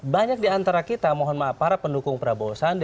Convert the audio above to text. banyak diantara kita mohon maaf para pendukung prabowo sandi